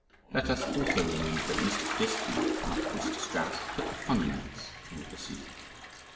Let us also remember that Mr. Disston, not Mr. Strauss, put the funny notes in the bassoon.